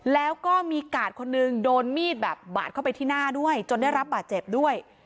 แล้วก็มีกาดคนนึงโดนมีดแบบบาดเข้าไปที่หน้าด้วยจนได้รับบาดเจ็บด้วย